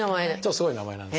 すごい名前なんですけど。